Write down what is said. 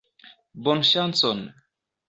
Bonŝancon!